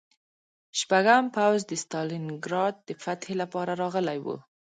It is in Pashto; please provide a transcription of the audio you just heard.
شپږم پوځ د ستالینګراډ د فتحې لپاره راغلی و